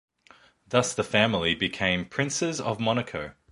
Thus the family became Princes of Monaco.